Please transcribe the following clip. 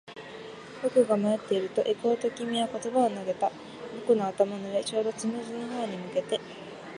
僕が迷っていると、行こうと君は言葉を投げた。僕の頭の上、ちょうどつむじの方に向けて。